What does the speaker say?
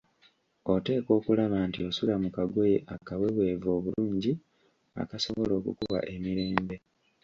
Oteekwa okulaba nti osula mu kagoye akaweweevu obulungi akasobola okukuwa emirembe.